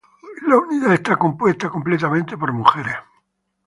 La unidad estaba compuesta completamente por mujeres.